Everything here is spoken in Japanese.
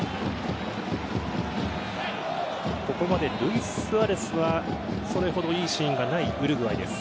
ここまでルイススアレスはそれほど良いシーンがないウルグアイです。